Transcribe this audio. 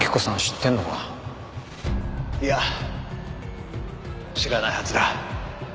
いや知らないはずだ。